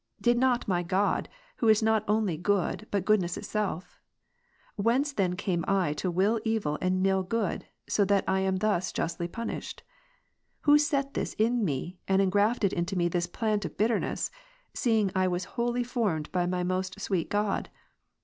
Did not my God, who is not only good, but goodness itself? Whence then came I to will evil and nill good, so that I am thus justly punished ? who set this in me, and in grafted into me this plant of bitterness, seeing I was wholly formed by my most sweet God